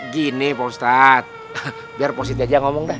gini pak ustadz biar pak siti aja ngomong dah